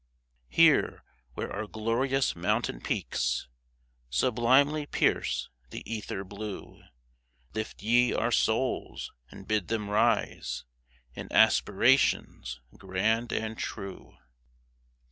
Here, where our glorious mountain peaks Sublimely pierce the ether blue. Lift ye our souls, and bid them rise In aspirations grand and true